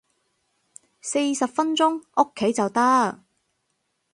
四十分鐘屋企就得